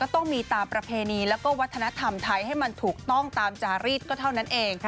ต้องมีตามประเพณีแล้วก็วัฒนธรรมไทยให้มันถูกต้องตามจารีสก็เท่านั้นเอง